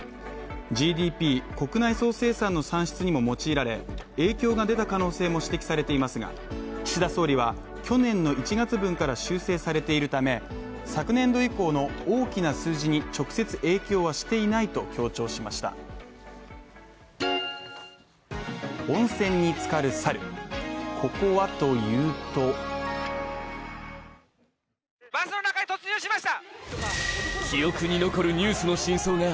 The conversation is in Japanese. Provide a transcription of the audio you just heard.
ＧＤＰ国内総生産の算出に用いられ、影響が出た可能性も指摘されていますが岸田総理は去年の１月分から修正されているため、昨年度以降の大きな数字に直接影響はしていないと強調しました。